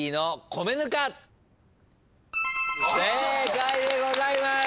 正解でございます。